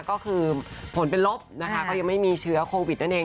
ก็คือผลเป็นลบนะคะก็ยังไม่มีเชื้อโควิดนั่นเอง